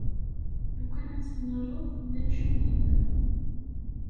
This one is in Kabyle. Lukan ad tt-tennaleḍ, d amcum-im!